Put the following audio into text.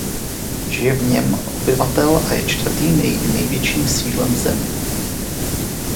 Žije v něm obyvatel a je čtvrtým největším sídlem v zemi.